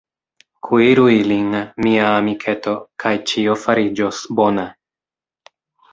Kuiru ilin, mia amiketo, kaj ĉio fariĝos bona.